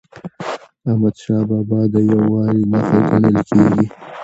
احمدشاه بابا د یووالي نښه ګڼل کېږي.